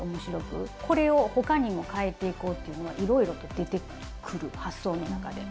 これを他にもかえていこうというのはいろいろと出てくる発想の中で。